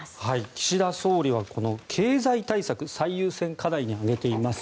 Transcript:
岸田総理はこの経済対策最優先課題に挙げています。